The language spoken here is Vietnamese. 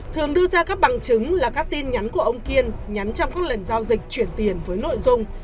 thường đưa ra các bằng chứng là các tin nhắn của ông kiên nhắm trong các lần giao dịch chuyển tiền với nội dung